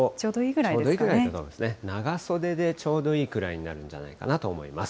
ちょうどいいぐらいですね、長袖でちょうどいいくらいになるんじゃないかなと思います。